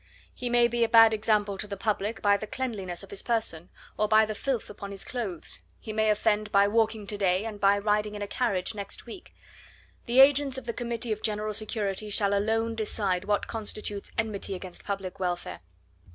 He may be a bad example to the public by the cleanliness of his person or by the filth upon his clothes, he may offend by walking to day and by riding in a carriage next week; the agents of the Committee of General Security shall alone decide what constitutes enmity against public welfare.